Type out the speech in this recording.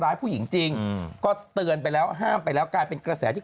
ผู้หญิงจริงก็เตือนไปแล้วห้ามไปแล้วกลายเป็นกระแสที่